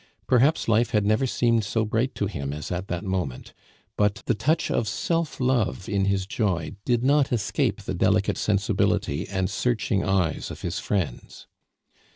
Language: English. Perhaps life had never seemed so bright to him as at that moment; but the touch of self love in his joy did not escape the delicate sensibility and searching eyes of his friends.